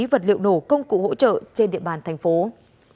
vật liệu nổ công cụ hỗ trợ trên địa bàn tp hcm